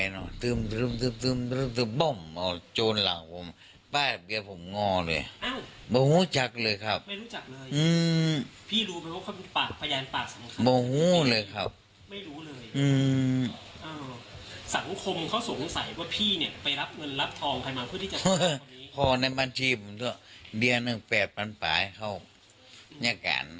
เนื้อการว่าหนึ่งสามร้อยปลาให้ผมนี่